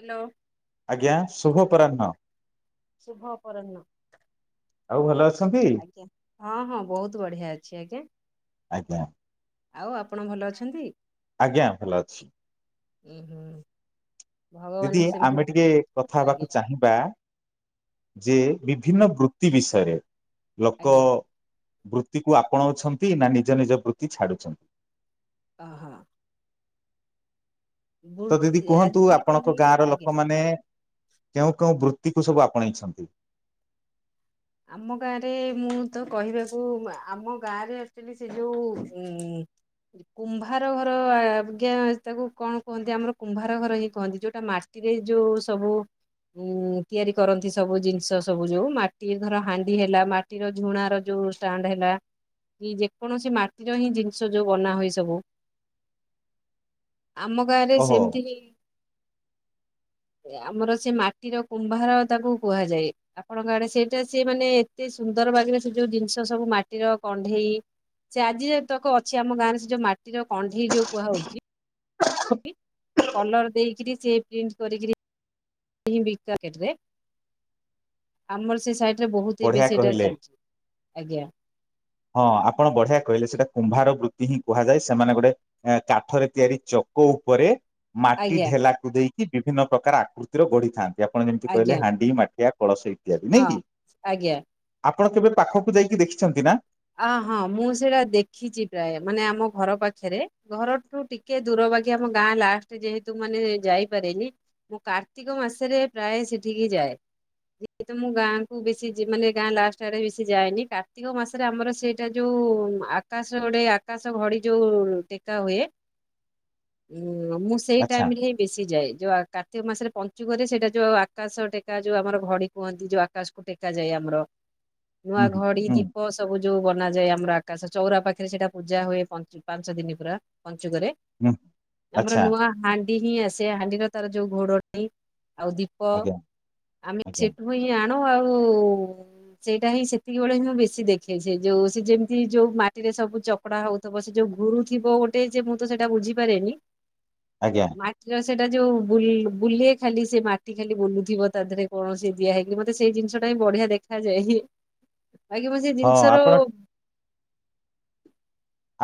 Hello. ଆଜ୍ଞା, ଶୁଭ ଅପରାହ୍ନ। ଶୁଭ ଅପରାହ୍ନ। ଆଉ ଭଲ ଅଛନ୍ତି? ଆଜ୍ଞା, ହଁ-ହଁ ବହୁତ ବଢିଆ ଅଛି ଆଜ୍ଞା। ଆଜ୍ଞା ଆଉ ଆପଣ ଭଲ ଅଛନ୍ତି? ଆଜ୍ଞା ଭଲ ଅଛି। ଉୁଁ ହୁଁ। ଭଗବାନ ଦିଦି ସେମିତି ଆମେ ଟିକେ କଥା ଆଜ୍ଞା ହବାକୁ ଚାହିଁବା? ଯେ ବିଭିନ୍ନ ବୃତ୍ତି ବିଷୟରେ ଲୋକ ଆଜ୍ଞା ବୃତ୍ତିକୁ ଆପଣାଉଛନ୍ତି ନା ନିଜ ନିଜ ବୃତ୍ତି ଛାଡୁଛନ୍ତି। ଅ ହଁ। ତ ଦିଦି ବୃତ୍ତି କୁହନ୍ତୁ। ଆଜିକାଲି ଆପଣଙ୍କ ଗାଁ ର ଆଜ୍ଞା। ଲୋକମାନେ କେଉଁ କେଉଁ ବୃତ୍ତିକୁ ସବୁ ଆପଣେଇଛନ୍ତି? ଆମ ଗାଁରେ ମୁଁ ତ କହିବାକୁ ଆମ ଗାଁରେ ସେ ଯୋଉ ଏ କୁମ୍ଭାର ଘର ଆଜ୍ଞା ତାକୁ କଣ କୁହନ୍ତି। ଆମର କୁମ୍ଭାର ଘର ହିଁ କୁହନ୍ତି ଯୋଉଟା ମା ମାଟିରେ ଯୋଉ ସବୁ ତିଆରି କରନ୍ତି। ସବୁ ଜିନିଷ ସବୁ ଯୋଉ ମା ମାଟି ଧର ହାଣ୍ଡି ହେଲା। ମାଟିର ଝୁଣାର ଯୋଉ ଷ୍ଟାଣ୍ଡ ହେଲା। କି? ଯେକୌଣସି ମାଟିର ହିଁ ଜିନିଷ ଯୋଉ ବନା ହୁଏ ସବୁ? ଆମ ଗାଁ ରେ ଓହୋ ସେମିତି କି? ଆମର ସେ ମାଟିର କୁମ୍ଭାର ତାକୁ କୁହାଯାଏ। ଆପଣଙ୍କ ଆଡେ ସେ ସେଟା ସେ ମାନେ ଏତେ ସୁନ୍ଦର ବାଗରେ ସେ ଯୋଉ ଜିନିଷ ସବୁ ମାଟିର କଣ୍ଢେଇ ସେ ଆଜି ଯେତକ ଅଛି ଆମ ଗାଁରେ ସେ ଯୋଉ ମାଟିର କଣ୍ଢେଇ ଯୋଉ କୁହାହଉଛି। କଲର ଦେଇକିରୀ ସେ ପ୍ରିଣ୍ଟ କରିକିରୀ ଏହି ବିକାକେବେ ଆମର ସେ ସାଇ ଟିରେ ବହୁତି ଏ ବଢିଆ ବେଶି ସେଇଟା କହିଲେ ଚାଲିଛି ଆଜ୍ଞା। ହଁ ଆପଣ ବଢିଆ କହିଲେ! ସେଇଟା କୁମ୍ଭାର ବୃତ୍ତି ହିଁ କୁହାଯାଏ। ସେମାନେ ଗୋଟେ ଏ କାଠରେ ତିଆରି ଚକ ଉପରେ ମାଟି ଆଜ୍ଞା ଢେଲାକୁ ଦେଇକି। ବିଭିନ୍ନ ପ୍ରକାର ଆକୃତିର ଗଢିଥାନ୍ତି। ଯେ ଆପଣ ଯେମିତି ଆଜ୍ଞା କହିଲେ ହାଣ୍ଡି ମାଠିଆ କଳସ ଇତ୍ୟାଦି ହଁ ନାଇଁ କି? ଆଜ୍ଞା। ଆପଣ କେବେ ପାଖକୁ ଯାଇକି ଦେଖିଛନ୍ତି ନା? ଆ ହଁ ମୁଁ ସେଇଟା ଦେଖିଛି ପ୍ରାୟ ମାନେ ଆମ ଘର ପାଖେରେ ଘରଠୁ ଟିକେ ଦୂର। ବାକି ଆମ ଗାଁ ଲାଷ୍ଟ ଯେହେତୁ ମାନେ ଯାଇପାରେନି। ମୁଁ କାର୍ତ୍ତିକ ମାସରେ ପ୍ରାୟ ସେଠିକି ଯାଏ। ଯେହେତୁ ମୁଁ ଗାଁକୁ ବେଶୀ ଯି ମାନେ ଗାଁ ଲାଷ୍ଟ ଆଡ଼େ ବେଶୀ ଯାଏନି କାର୍ତ୍ତିକ ମାସ ତାପରେ ଆମର ସେଇଟା ଯୋଉ ଆକାଶ ଗୋଟେ ଆକାଶ ଘଡି ଯୋଉ ଟେକା ହୁଏ। ହୁଁ ମୁଁ ସେଇ ଆଚ୍ଛା ଟାଇମରେ ବେଶି ଯାଏ। ଯଉ କାର୍ତ୍ତିକ ମାସରେ ପଞ୍ଚୁକରେ ସେଇଟା ଯୋଉ ଆକାଶ ଟେକା ଯୋଉ ଆମର ଘଡ଼ି କୁହନ୍ତି ଯୋଉ ଆକାଶକୁ ଟେକା ଯାଏ ଆମର। ନୂଆ ହୁଁ ହୁଁ ଘଡ଼ି ହୁଁ ଦି ହ ସବୁ ଯୋଉ ବନାଯାଏ। ଆମର ଆକାଶ ଚଉରା ପାଖରେ ସେଇଟା ପୂଜା ହୁଏ। ପଞ୍ଚ ପାଞ୍ଚ ଦିନ ପୁରା ପଞ୍ଚୁକରେ। ହୁଁ ଆମର ଆଚ୍ଛା ନୂଆ ହାଣ୍ଡି ହିଁ ଆସେ ହାଣ୍ଡିର ତାର ଯୋଉ ଘୋଡଣି ଆଉ ଦୀ ପ ଆଜ୍ଞା ଆମେ ଆଜ୍ଞା ସେଠୁ ହିଁ ଆଣୁ। ଆଉ ସେଇଟା ହିଁ ସେତିକି ବେଳେ ହିଁ ବେଶୀ ସେ ଦେଖେଇ ସେ ଯୋଉ ସେ ଯେମିତି ଯୋଉ ମାଟିରେ ସବୁ ଚକଡା ହଉଥିବ। ସେ ଯୋଉ ଘୁରୁଥିବ ଗୋ ଟେ ଯେ ମୁଁ ତ ସେଟା ବୁଝିପାରେନି। ଆଜ୍ଞା। ମାଟିର ସେଟା ଯୋଉ ବୁଲ ବୁଲେ ଖାଲି ସେ ମାଟି ଖାଲି ବୁଲୁଥିବ ତା ଦେହରେ କୌଣସି ଦିଆ ହେଇ- ମତେ ସେଇ ଜିନିଷ ଟା ହିଁ ବଢିଆ ଦେଖାଯାଏ ହେ ବାକି ମୁଁ ସେଇ ହଁ ଜିନିଷର। ଆପଣ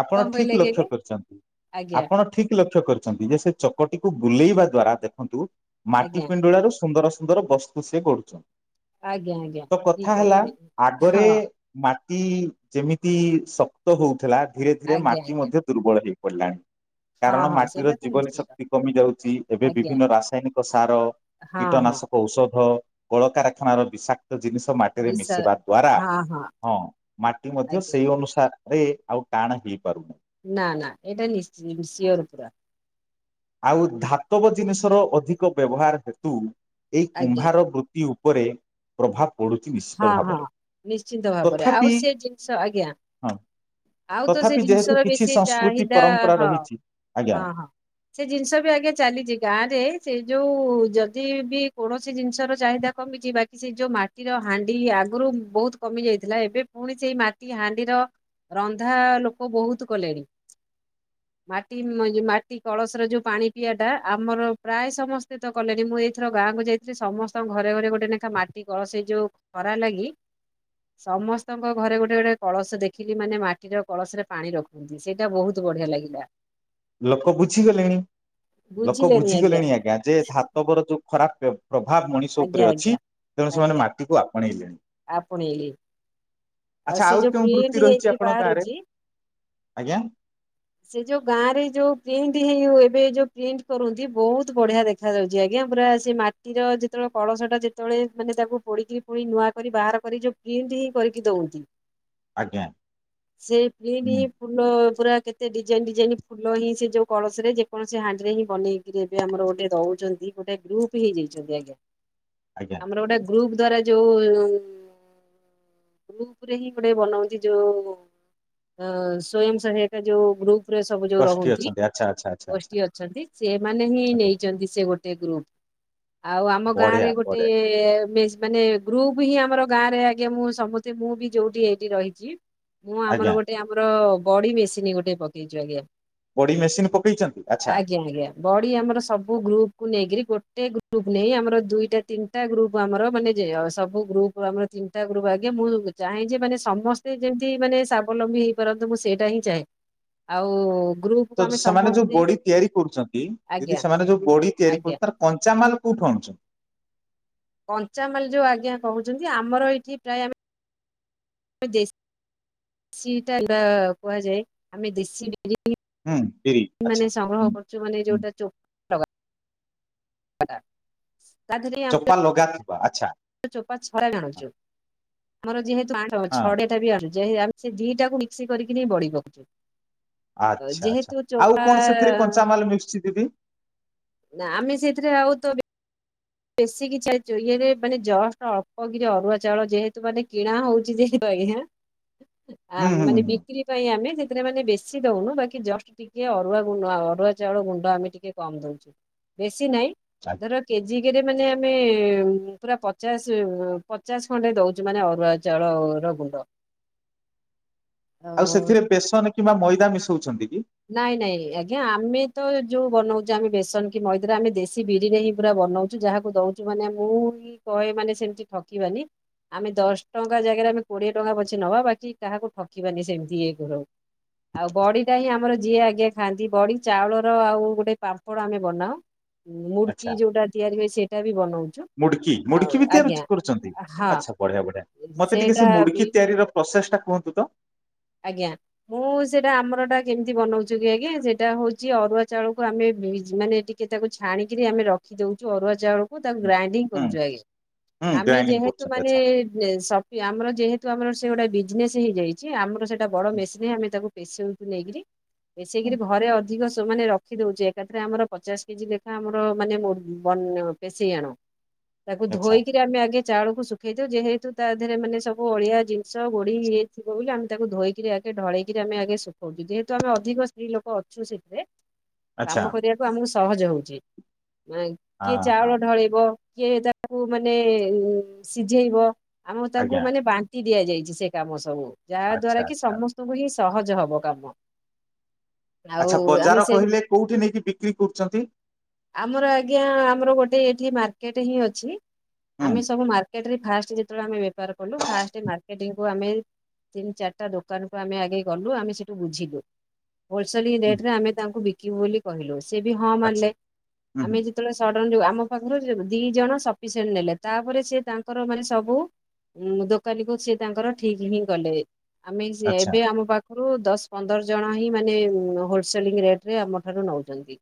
ଆପଣ କଣ ଠିକ୍ କହିଲେ କି ଆଜ୍ଞା ଲକ୍ଷ୍ୟ କରିଚନ୍ତି ଆଜ୍ଞା ଆପଣ ଠିକ୍ ଲକ୍ଷ୍ୟ କରି- ଚନ୍ତି ଯେ ସେ ଚକଟିକୁ ବୁଲେଇବା ଦ୍ଵାରା ଦେଖନ୍ତୁ ମାଟି ଆଜ୍ଞା ପିଣ୍ଡୁଳା ରୁ ସୁନ୍ଦର ସୁନ୍ଦର ବସ୍ ତୁ ସେ କରୁଛ ଆଜ୍ଞା ଆଜ୍ଞା ଠିକ୍ କହିଲେ ଆଗରେ ହଁ। ମାଟି ଯେମିତି ଶକ୍ତ ହଉଥିଲା ଧୀରେ ଧୀରେ ଆଜ୍ଞା ମାଟି ଆଜ୍ଞା ମଧ୍ୟ ଦୁର୍ବଳ ହେଇପଡ଼ିଲାଣି। ହଁ କାରଣ ହଁ ମାଟିର ସେଇଟା ତ ଜୀବନୀ ନିଶ୍ଚିତ ଶକ୍ତି କମି ଯାଉଚି ଏବେ ଆଜ୍ଞା ବିଭିନ୍ନ ରାସାୟନିକ ସାର। ହଁ ହଁ। କୀଟନାଶକ ଔଷଧ କଳକାରଖାନାର ବିଷାକ୍ ଜିନିଷ ମାଟିରେ ବିଶା ମିଶିବା ଦ୍ଵାରା ହଁ ମାଟି ମଧ୍ୟ ଆଜ୍ଞା ସେଇ ଅନୁସା ରେ ଆଉ ଟାଣ ହେଇପାରୁନି। ନା ନା ଏଇଟା ନିଶ୍ଚ ସିୟର ପୁରା। ଆଉ ଧାତବ ଜିନିଷର ଅଧିକ ବ୍ୟବହାର ହେତୁ ଏଇ ଆଜ୍ଞା କୁମ୍ଭାର ବୃ ତି ଉପରେ। ପ୍ରଭାବ ପଡୁଚି ନିଶ୍ଚିତ ହଁ ହଁ ଭାବରେ ନିଶ୍ଚିନ୍ତ ଭାବରେ ଆଉ ତଥାପି। ସେ ଜିନିଷ ଆଜ୍ଞା ହଁ ଆଉ ତ ସେ ତଥାପି ଯେହେତୁ ଜିନିଷର କିଛି ବେଶୀ ସଂସ୍କୃତି ଚାହିଦା ପରମ୍ପରା ହଁ ରହିଛି ଆଜ୍ଞା। ହଁ ହଁ। ସେ ଜିନିଷ ବି ଆଜ୍ଞା ଚାଲିଚି ଗାଁ ରେ ସେ ଯୋଉ ଯଦି ବି। କୌଣସି ଜିନିଷ ର ଚାହିଦା କମିଚି ବା କି ସେ ଯୋଉ ମା ଟିର ହାଣ୍ଡି ଆଗରୁ ବହୁତ କମି ଯାଇଥିଲା ଏବେ ପୁଣି ସେଇ ମାଟି ହାଣ୍ଡିର। ରନ୍ଧା ଲୋକ ବହୁତ କଲେଣି। ମାଟି ମାଟି କଳସରେ ଯୋଉ ପାଣି ପିଇଆ ଟା ଆମର ପ୍ରାୟ ସମସ୍ତେ ତ କଲେଣି ମୁଁ ଏଇଥର ଗାଁକୁ ଯାଇ ସେ ସମସ୍ତଙ୍କ ଘରେ ଘରେ ଗୋଟେ ନେଖା ମାଟି କଳସ ସେ ଯୋଉ ଖରା ଲାଗି। ସମସ୍ତଙ୍କ ଘରେ ଗୋଟେ ଗୋଟେ କଳସ ଦେଖିଲି ମାନେ ମାଟିର କଳସରେ ପାଣି ର ହ ସେଇଟା ବହୁତ ବଢିଆ ଲାଗିଲା। ଲୋକ ବୁଝିଗଲେଣି ଲୋକ ବୁଝିଗଲେଣି ଆଜ୍ଞା ଯେ ଧାତବର ଯୋଉ ଖରାପ ବ୍ୟ ପ୍ରଭାବ ମଣିଷ ଉପରେ ଆଜ୍ଞା ଅଛି ଆଜ୍ଞା। ତେଣୁ ସେମାନେ ମାଟିକୁ ଆପଣେଇଲେଣି। ପଣେଇଲେ। ଆଉ ଆଚ୍ଛା ସେ ଯୋଉ କେଉଁ ବୃତ୍ତି ପ୍ରିଟ ରହିଛି ହେଇକିରି ଆପଣଙ୍କ ଗାଁରେ ବାହାରୁଚି। ଆଜ୍ଞା ସେ ଯୋଉ ଗାଁ ରେ ଯୋଉ ପ୍ରିଣ୍ଟ ହେଇ ଏବେ ଯୋଉ ପ୍ରିଣ୍ଟ କରନ୍ତି ବହୁତ ବଢିଆ ଦେ ଦେଖାଯାଉଛି ଆଜ୍ଞା ପୁରା ସେ ମାଟିର ଯେତେବେଳେ କଳସ ଟା ଯେତେବେଳେ ମାନେ ତାକୁ ପୋଡିକିରି ପୁଣି ନୂଆ କରି ବାହାର କରି ଯୋଉ ପ୍ରିଣ୍ଟ ହିଁ କରିକି ଦଉନ୍ତି ଆଜ୍ଞା ସେ ପ୍ରିଣ୍ଟ ହୁଁ ହିଁ। ଫୁଲ ପୁରା କେତେ ଡିଜାଇନ ଡିଜାଇନ। ଫୁଲ ହିଁ ସେ ଯୋଉ କଳସ ରେ ଯେକୌଣସି ହାଣ୍ଡିରେ ହିଁ ବନେଇକିରି ଏବେ ଆମର ଗୋଟେ ଦଉଚନ୍ତି ଗୋଟେ ଗ୍ରୁପ୍। ହେଇଯାଇଛନ୍ତି ଆଜ୍ଞ। ଆଜ୍ଞା। ଗୋଟେ ଗ୍ରୁପ ଦ୍ଵାରା ଯୋଉ ଉପରେ ହିଁ ଗୋଟେ ବନଉଚି ଯୋଉ ଅ ସ୍ଵୟଂ ସହାୟକ ଯୋଉ ଗ୍ରୁପ୍। ରେ ସବୁ ଯୋଉ ଗୋଷ୍ଠୀ ରହୁନ୍ତି ଅଛନ୍ତି ଆଚ୍ଛା ଆଚ୍ଛା ଆଚ୍ଛା ଆଚ୍ଛା ଗୋଷ୍ଠୀ ଅଛନ୍ତି ସେମାନେ ହିଁ ଆଜ୍ଞା ନେଇଛନ୍ତି ସେ ଗୋ ଗୋଟେ ଗ୍ରୁପ ଆଉ ଆମ ଗାଁ ବଢିଆ ରେ ଗୋଟେ। ବଢିଆ ମାନେ ଗ୍ରୁପ ହିଁ ଆମର ଗାଁ ରେ ଆଜ୍ଞା ମୁଁ ସମସ୍ତେ ମୁଁ ବି ଯୋଉଠି ଏଇଠି ରହିଚି। ମୁଁ ଆଜ୍ଞା ଆମର ଗୋଟେ ଆମର ବଡି ମେସିନି ଗୋଟେ ପକେଇଚୁ ଆଜ୍ଞା। ବଡି ମେସିନ ପକେଇଚନ୍ତି? ଆଚ୍ଛା। ଆଜ୍ଞା ଆଜ୍ଞା ବଡି ଆମର ସବୁ ଗ୍ରୁପ୍ କୁ ନେଇକିରି, ଗୋଟେ ଗ୍ରୁପ୍ ନେଇ ଆମର ଦୁଇଟା, ତିନିଟା ଗ୍ରୁପ୍ ଆମର ମାନେ ଯେ ସବୁ ଗ୍ରୁପ୍ରରୁ ଆମର, ତିନିଟା ଗ୍ରୁପ୍ ଆଜ୍ଞା, ମୁଁ ଚାହେଁ ଯେ, ମାନେ ସମସ୍ତେ ଯେମିତି ମାନେ ସାବଲମ୍ବୀ ହେଇପାରନ୍ତୁ, ମୁଁ ସେଇଟା ହିଁ ଚାହେଁ। ଆଉ-ଉ ଗ୍ରୁପ୍ ତ ସେମାନେ ଯୋଉ ବଡି ତିଆରି କରୁଚନ୍ତି, ଆଜ୍ଞା ଯଦି ସେମାନେ ଯୋଉ ବଡି ତିଆରି ଆଜ୍ଞା କରୁ, ତାର କଞ୍ଚାମାଲ କୋଉଠୁ ଆଣୁଛ? କଞ୍ଚାମାଲ ଯୋଉ ଆଜ୍ଞା କହୁଚନ୍ତି, ଆମର ଏଇଠି ପ୍ରାୟ ଆମେ ଦେଶ୍ ଚିଟା [inaudible] କୁହାଯାଏ, ଆମେ ଦେଶୀ ବିରି ହୁଁ, ବିରି ମାନେ ଆଚ୍ଛା ସଂଗ୍ରହ ହୁଁ କରୁଚୁ ମାନେ, ହୁଁ ଯୋଉଟା ଚୋ ଅଡା ଚୋପା ଲଗା ଥିବା। ଚୋପା ଛଡା ବି ଆଣୁଛୁ। ଆମର ଯେହେତୁ [inaudible] ହଁ ଛଡେ [inaudible] ସେ ଦିଟାକୁ ମିକ୍ସି କରିକି ନେଇ ବଢିପକୁଛୁ। ଆଚ୍ଛା, ଆଚ୍ଛା, ଆଉ କଣ ସେଥିରେ କଞ୍ଚାମାଲ ମିିଶୁଛି ଦିଦି? ନା ଆମେ ସେଥିରେ ଆଉ ତ ବେ ବେଶୀ କିଛି ଇଏରେ ମାନେ ଜଷ୍ଟ ଅଳ୍ପ କିରି ଅରୁଆ ଚାଉଳ ଯେହେତୁ ମାନେ କିଣା ହଉଛି, ଯେହେତୁ ଆଜ୍ଞା ଆ ହୁଁ ହୁଁ ହୁଁ ମାନେ ବିକ୍ରି ପାଇଁ ଆମେ ସେଥିରେ ମାନେ ବେଶୀ ଦଉନୁ। ବାକି ଜଷ୍ଟ ଟିକେ ଅରୁଆ ଗୁ, ଅରୁଆ ଚାଉଳ ଗୁଣ୍ଡ ଆମେ ଟିକେ କମ୍ ଦଉଚୁ। ବେଶୀ ନାହିଁ। ଆଜ୍ଞା ଧର କେଜ୍ ଯିକେରେ ମାନେ-ଏଁ, ଆମେ ପୁରା ପଚାଶ, ପଚାଶ ଖଣ୍ଡେ ଦଉଛୁ, ମାନେ ଅରୁଆ ଚାଉଳ-ଅ ର ଗୁଣ୍ଡ। ଅ ଆଉ ସେଥିରେ ବେସନ କିମ୍ବା ମଇଦା ମିଶଉଛନ୍ତି କି? ନାଇଁ, ନାଇଁ, ଆଜ୍ଞା ଆମେ ତ ଯୋଉ ବନଉଚେ, ଆମେ ବେସନ କି ମଇଦା ଆମେ ଦେଶୀ ବିରିରେ ହିଁ, ପୁରା ବନଉ। ଯାହାକୁ ଦଉଛୁ ମାନେ, ମୁଁ ବି କହେ ମାନେ, ସେମତି ଠକିବାନି। ଆମେ ଦଶ ଟଙ୍କା ଜାଗାରେ ଆମେ କୋଡିଏ ଟଙ୍କା ପଛେ ନବା। ବାକି କାହାକୁ ଠକିବାନି ସେମିତି ଇଏ ଘରୁ ଆଉ, ବଡି କାହିଁ ଆମର ଯିଏ ଆଜ୍ଞା ଖାଆନ୍ତି ବଡି, ଚାଉଳର ଆଉ ଗୋଟେ ପାମ୍ପଡ଼ ଆମେ ବନାଉ। ମୁଡ଼୍କି ଯୋଉଟା ତିଆରି ହୁଏ, ସେଟା ବି ବନଉ। ମୁଡ୍କି! ମୁଡ୍କି ବି ତିଆରି କରୁଚନ୍ତି। ହଁ। ଆଚ୍ଛା, ବଢିଆ! ବଢିଆ! ମତେ ଟିକେ ସେଇଟା ସେ ବି ମୁଡ୍କି ତିଆରି ର ପ୍ରୋସେସ୍ ଟା କୁହନ୍ତୁ ତ? ଆଜ୍ଞା। ମୁଁ, ସେଇଟା ଆମର ଟା କେମିତି ବନଉଛିୁ କି ଆଜ୍ଞା, ସେଇଟା ହଉଛି ଅରୁଆ ଚାଉଳକୁ ଆମେ, ଭିଜ୍ ମାନେ ଟିକ୍ ଟିକେ ତାକୁ ଛାଣିକିରି ଆମେ ରଖି ଦେଉଛୁ, ଅରୁଆ ଚାଉ ମୁଁ, ତାକୁ ଗ୍ରାଇଣ୍ଡିଙ୍ଗ୍ ହୁଁ କରୁଛୁ ଆଜ୍ଞା, ହୁଁ ଆମେ ଗ୍ରାଇଣ୍ଡିଙ୍ଗ ଯେହେତୁ କରୁଛନ୍ତି ଆଚ୍ଛା ମାନେ-ଏ [unintelligible] ଆମର ଯେହେତୁ ଆମର ସେ ଗୋଟେ ବିଜନେସ୍ ହେଇଯାଇଛି, ଆମର ସେଇଟା ବଡ ହୁଁ, ମେସିନରେ ଆମେ ତାକୁ ପେସଉଚୁ ନେଇକରି, ପେସେଇକିରି ହୁଁ, ଘରେ ଅଧ୍ ଧିକସ ମାନେ ରଖିଦଉଛି, ଏକାଥରେ ଆମର ପଚାଶ କେଜି ଲେଖା ଆମର ମାନେ, ବନ୍ ପେଶେଇ ଆଣୁ। ତାକୁ ଆଚ୍ଛା ଧୋଇକିରି ଆମେ ଆଗେ ଚାଉଳକୁ ଶୁଖେଇ ଦଉ, ଯେହେତୁ ତା ଦେହରେ ମାନେ ସବୁ ଅଳିଆ ଜିନିଷ ଗୋଡି ଇଏ ଥିବ ବୋଲି ଆମେ ତାକୁ ଧୋଇକରି ଆଗେ, ଢଳେଇକରି ଆମେ ଆଗେ ଶୁଖଉଛୁ। ଯେହେତୁ, ଆମେ ଅଧିକ ସ୍ତ୍ରୀ ଲୋକ ଅଛୁ ସେଥିରେ ଆଚ୍ଛା କାମ କରିବାକୁ ଆମକୁ ସହଜ ହଉଛି କିଏ ହଁ ହଁ ଚାଉଳ ଢଳେଇବ? କିଏ ତାକୁ ମାନେ ସିଝେଇବ ଆମ ତାଙ୍କୁ ଆଜ୍ଞା ମାନେ ବାନ୍ ଦିଆଯାଇଛି ସେ କାମ ସବୁ ଯାହା ଆଚ୍ଛା ଦ୍ଵାରା କି ଆଚ୍ଛା ସମସ୍ତଙ୍କୁ ହିଁ ସହଜ ହବ କାମ। ଆଉ ଆଚ୍ଛା ଆମେ ବଜାର ସେ କହିଲେ କୋଉଠି ନେଇକି ବିକ୍ରି କରୁଛନ୍ତି? ଆମର ଆଜ୍ଞା ଆମର ଗୋଟେ ଏଠି ମାର୍କେଟ ହିଁ ଅଛି ହୁଁ ଆମେ ସବୁ ମାର୍ ଟ ଫାଷ୍ଟ ଯେତେବେଳେ ଆମେ ବେପାର କଲୁ ଫାଷ୍ଟ ମାର୍କେଟିଙ୍ଗକୁ ଆମେ ତିନି ଚାରିଟା ଦୋକାନକୁୁ ଆମେ ଆଗେଇ ଗଲୁ ଆମେ ସେଠୁ ବୁଝିଲୁ? ହୋଲସେଲି ହୁଁ ରେଟରେ ଆମେ ତାଙ୍କୁ ବିକିବୁ ବୋଲି କହିଲୁ ସେ ବି ହଁ ଆଚ୍ଛା ମାରିଲେ ହୁଁ ଆମେ ଯେ ବେଳେ ସଡନ୍ ଯୋଉ ଆମ ପାଖରୁ ଦି ଜଣ ସଫିସିଏଣ୍ଟ ନେଲେ ତାପରେ ସେ ତାଙ୍କର ମାନେ ସବୁ ଉଁ ଦୋକାନୀକୁ ସିଏ ତାଙ୍କର ଠିକ ହିଁ ଗଲେ ଆମେ ଆଚ୍ଛା ଏବେ ଆମ ପାଖ ପାଖରୁ ଦଶ ପନ୍ଦର ଜଣ ହିଁ ମାନେ ହୋଲସେଲିଂ ରେଟରେ ଆମ ଠାରୁ ନଉଛନ୍ତି।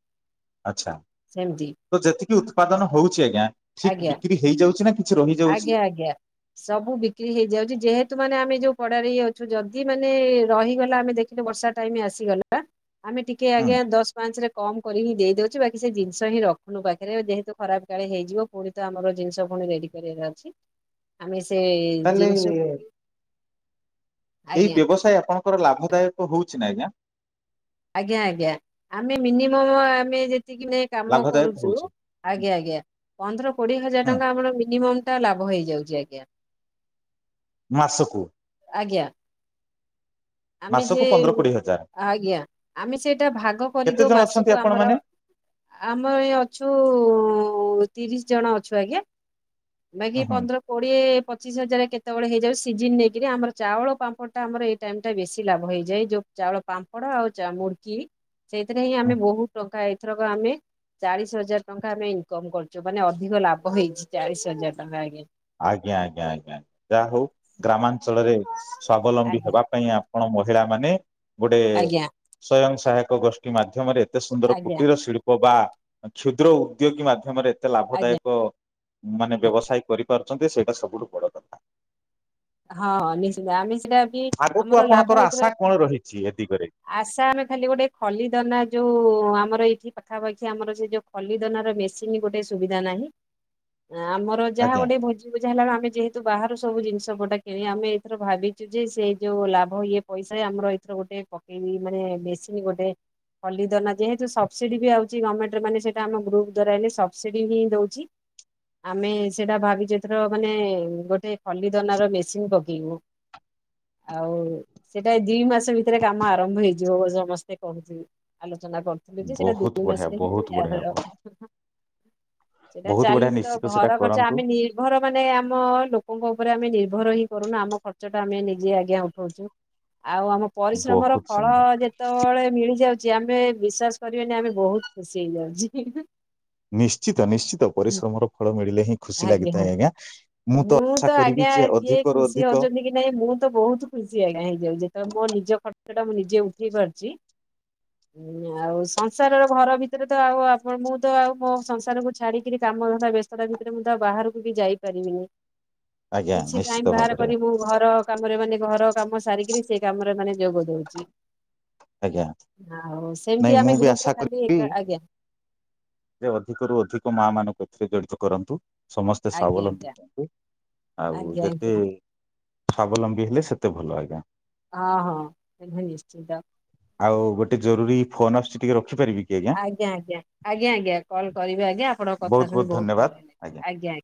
ଆଚ୍ଛା। ସେମିତି ତ ଯେତିକି ଉତ୍ପାଦନ ହଉଛି ଆଜ୍ଞା ଠିକ ଆଜ୍ଞା ବିକ୍ରି ହେଇଯାଉଛି ନା କିଛି ରହିଯାଉଛି? ଆଜ୍ଞା ଆଜ୍ଞା। ସବୁ ବିକ୍ରି ହେଇଯାଉଛି ଯେହେତୁ ମାନେ ଆମେ ଯୋଉ କଡାରେ ହେଇ ଯାଉଛୁ ଯଦି ମାନେ ରହିଗଲା ଆମେ ଦେଖିଲୁ ବର୍ଷା ଟାଇମ ଆସିଗଲା। ଆମେ ଟିକେ ହୁଁ ଆଜ୍ଞା ଦଶ ପାଞ୍ଚ ରେ କମ କରିକି ଦେଇଦଉଛି ବାକି ସେ ଜିନିଷ ହିଁ ରଖୁନୁ ପାଖରେ ଯେହେତ ଖରାପ କାଳେ ହେଇଯିବ ପୁଣି ତ ଆମର ଜିନିଷ ପୁଣି ରେଡି କରିବାର ଅଛି ଆମେ ସେ ତାହେଲେ ଜିନିଷକୁ ଏଇ ବ୍ୟବସାୟ ଆପଣଙ୍କର ଲାଭଦାୟକ ହଉଛି ନା ଏଇନା? ଆଜ୍ଞା ଆଜ୍ଞା ଆମେ ମିନିମମ ଆମେ ଯେତିକି ନେଇ କାମ ଲାଭଦାୟକ କରୁଚୁ ହଉଛି। ଆଜ୍ଞା ଆଜ୍ଞା ପନ୍ଦର କୋଡିଏ ହଜାର ହୁଁ ଟଙ୍କା ଆମର ମିନିମମ୍ ଟା ଲାଭ ହେଇଯାଉଚି ଆଜ୍ଞା। ମାସକୁ? ଆଜ୍ଞା। ଆମେ ମାସକୁ ଯେ ପନ୍ଦର କୋଡିଏ ହଜାର ଆଜ୍ଞା ଆମେ ସେଇଟା ଭାଗ କେତେ କରିଦଉ ଜଣ ଅଛନ୍ତି ମାସକୁ ଆପଣ ଆମର? ମାନେ ଆମର ଏଇ ଅଛୁ ତିରିଶ ଜଣ ଅଛୁ ଆଜ୍ଞା ବାକି ହୁଁ ହୁଁ ପନ୍ଦର କୋଡିଏ ପଚିଶ ହଜାର କେତେବେଳେ ହେଇଯାଉଚି ସିଜିିନ ନେଇକିରି ଆମର ଚାଉଳ ପାମ୍ପଡଟା ଆମର ଏଇ ଟାଇମ୍ ବେଶୀ ଲାଭ ହେଇଯାଏ ଯୋଉ ଚାଉଳ ପାମ୍ପଡ ଆଉ ମୁଡକି ସେଇଥିରେ ହିଁ ଆମେ ହୁଁ। ବହୁତ ଟଙ୍କା ଏଥରକ ଆମେ ଚାଳିଶ ହଜାର ଟଙ୍କା ଆମେ ଇନକମ କରିଚୁ ମାନେ ଅଧିକ ଲାଭ ହେଇଛି ଚାଳିଶ ହଜାର ଟଙ୍କା ଆଜ୍ଞା। ଆଜ୍ଞା ଆଜ୍ଞା ଆଜ୍ଞା ଯାହା ହଉ ଗ୍ରାମାଞ୍ଚଳରେ ସ୍ଵାବଲମ୍ବୀ ଆଜ୍ଞା ହେବା ପାଇଁ ଆପଣ ମହିଳା ମାନେ ଗୋଟେ ଆଜ୍ଞା ସ୍ଵୟଂସହାୟକ ଗୋଷ୍ଠୀ ମାଧ୍ୟମରେ ଏତେ ସୁନ୍ଦର ଆଜ୍ଞା କୁଟୀର ଶିଳ୍ପ ବା କ୍ଷୁଦ୍ର ଉଦ୍ୟୋଗୀ ମାଧ୍ୟମରେ ଏତେ ଆଜ୍ଞା ଲାଭଦାୟକ ମାନେ ବ୍ୟବସାୟ କରିପାରୁଚନ୍ତି ସେଇଟା ସବୁଠୁ ବଡ କଥା ହଁ ନିଶ୍ଚିିତ ଆମେ ସେଟା ବି ଆଗକୁ ଆମର ଲାଭ ଆପଣଙ୍କର ଏଥିରେ ଆଶା କଣ ରହିଛି ଏ ଦିଗରେ? ଆଶା ଆମେ ଖାଲି ଗୋଟେ ଖଲିଦନା ଯୋଉ ଆମର ଏଇଠି ପାଖାପାଖି ଆମର ସେ ଯୋଉ ଖଲିଦନାର ମେସିନି ଗୋଟେ ସୁବିଧା ନାହିଁ ଆମ ର ଯାହା ଆଜ୍ଞା। ଗୋଟେ ଭୋଜି ଭୁଜା ହେଲା ଆମେ ଯେହେତୁ ବାହାରୁ ସବୁ ଜିନିଷ ପଟା କିଣି ଆମେ ଏଥର ଭାବିଚୁ ଯେ ସେଇ ଯୋଉ ଲାଭ ଇଏ ପଇସା ଆମର ଏଇଥର ଗୋଟେ ଏଇ ମାନେ ମେସିନି ଗୋଟେ ଖଲି ଦନା ଯେହେତୁ ସବସିଡି ବି ଆଉଛି ଗମେଣ୍ଟ ର ମାନେ ସେଇଟା ଆମ ଗ୍ରୁପ୍ ଦ୍ଵାରା ହେଲେ ସବସିଡି ହିଁ ଦଉଚି। ଆମେ ସେଇଟା ଭାବିଚୁ ଏଥର ମାନେ ଗୋଟେ ଖଲି ଦନା ର ମେସିନ୍ ପକେଇବୁ। ଆଉ ସେଟା ଦି ମାସ ଭିତରେ କାମ ଆରମ୍ଭ ହେଇଯିବ ସମସ୍ତେ କହୁଚି ଆଲୋଚନା କରୁଥିଲେ ଯେ ସେଇଟା ବହୁତ ଦୁଇ ବଢିଆ ମାସରେ ହିଁ ବହୁତ ବଢିଆ ହବ ସେଇଟା ବହୁତ ବଢିଆ ଚାଲିଚି ତ ନିଶ୍ଚିତ ଘର ସେଟା ଖର୍ଚ୍ଚ କରନ୍ତୁ ଆମେ ନିର୍ଭର ମାନେ ଆମ ଲୋକଙ୍କ ଉପରେ ଆମେ ନିର୍ଭର ହିଁ କରୁନୁ ଆମ ଖର୍ଚ୍ଚଟା ଆମେ ନିଜେ ଆଜ୍ଞା ଉଠାଉଚୁ ଆଉ ଆମ ପରିଶ୍ରମର ବହୁତ ଫଳ ସୁନ୍ଦର। ଯେତେବେଳେ ମିଳିଯାଉ ଚି ଆମେ ବିଶ୍ୱାସ କରିବେନି ଆମେ ବହୁତ ଖୁସି ହେଇଯାଉଚି। ନିଶ୍ଚିତ ନିଶ୍ଚିତ ପରିଶ୍ରମର ଫଳ ମିଳିଲେ ହିଁ ଖୁସି ଲାଗିଥାଏ ଆଜ୍ଞା ମୁଁ ତ ଆଶା କରିବି ଆଜ୍ଞା ଯେ କିଏ ଅଧିକରୁୁ ଖୁସି ଅଧିକ ହଉଛନ୍ତି କି ନାଇଁ ମୁଁ ତ ବହୁତ ଖୁସି ଆଜ୍ଞା ହେଇଯାଉଚି ଯେତେବେଳେ ମୋ ନିଜ ଖର୍ଚ୍ଚ ଟା ମୁଁ ନିଜେ ଉଠେଇ ପାରୁଚି। [inaudible] ଆଉ ସଂସାରର ଘର ଭିତରେ ତ ଆଉ ଆପଣ ମୁଁ ତ ଆଉ ମୋ ସଂସାରକୁ ଛାଡିକିରି କାମଧନ୍ଦା ବ୍ୟସ୍ତତା ଭିତ ସେଥିରେ ମୁଁ ତ ବାହାରକୁ ବି ଯାଇପାରିବିନି ଆଜ୍ଞା କିଛି ଟାଇମ ନିଶ୍ଚିତ ବାହାର ଭାବରେ କରିବୁ ଘର କାମରେ ମାନେ ଘର କାମ ସାରିକିରି ସେ କାମରେ ମାନେ ଯୋଗ ଦଉଚି। ଆଜ୍ଞା ଆଉ ସେମତି ନାଇଁ ଆମେ ମୁଁ ବି ଗ୍ରୁପରେ ଆଶା ଖାଲି କରିବି ଏକ ଆଜ୍ଞା। ଯେ ଅଧିକରୁୁ ଅଧିକ ମା ମାନଙ୍କୁ ଏଥିରେ ଜଡ଼ିତ କରନ୍ତୁ। ସମସ୍ତେ ଆଜ୍ଞା ସ୍ୱାବଲମ୍ବୀ ଆଜ୍ଞା ହୁଅନ୍ତୁ ଆଉ ଆଜ୍ଞା ଯେତେ ଆଜ୍ଞା। ସ୍ୱାବଲମ୍ବୀ ହେଲେ ସେତେ ଭଲ ଆଜ୍ଞା। ହଁ ହଁ [unintelligible] ନିଶ୍ଚିନ୍ତ। ଆଉ ଗୋଟେ ଜରୁରୀ ଫୋନ ଆସୁଚି ଟିକେ ରଖିପାରିବି? ଆଜ୍ଞା ଆଜ୍ଞା ଆଜ୍ଞା ଆଜ୍ଞା କଲ୍ କରିବେ ଆଜ୍ଞା ଆପଣଙ୍କ କଥା ଶୁଣି ବହୁତ ଭଲ ଆଜ୍ଞା